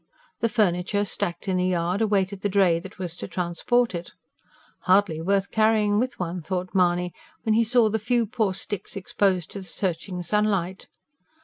The furniture, stacked in the yard, awaited the dray that was to transport it. Hardly worth carrying with one, thought Mahony, when he saw the few poor sticks exposed to the searching sunlight.